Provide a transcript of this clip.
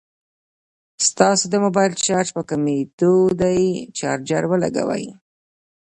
ستاسو د موبايل چارج په کميدو دی ، چارجر ولګوئ